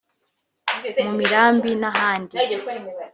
mu mirambi n’ahandi)